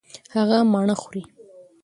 هغه مڼه خوري.